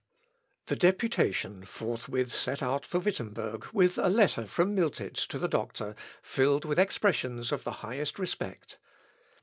The deputation forthwith set out for Wittemberg with a letter from Miltitz to the doctor filled with expressions of the highest respect.